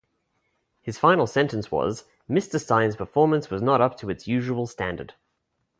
His final sentence was Mr. Steyne's performance was not up to its usual standard.